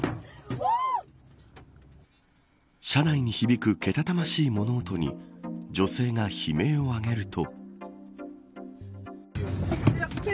車内に響くけたたましい物音に女性が悲鳴をあげると。